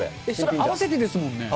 合わせてですもんね。